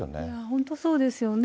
本当、そうですよね。